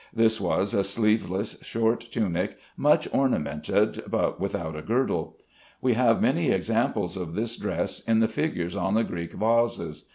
This was a sleeveless short tunic much ornamented, but without a girdle. We have many examples of this dress in the figures on the Greek vases.